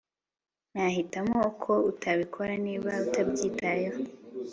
Nahitamo ko utabikora niba utabyitayeho